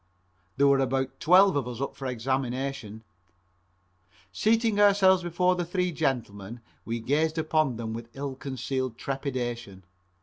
There were about twelve of us up for examination. Seating ourselves before the three gentlemen, we gazed upon them with ill concealed trepidation.